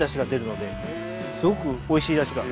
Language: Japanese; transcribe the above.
すごくおいしい出汁が。